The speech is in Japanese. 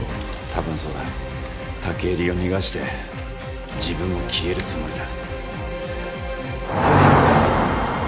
たぶんそうだ武入を逃がして自分も消えるつもりだ